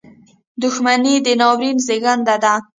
• دښمني د ناورین زېږنده ده.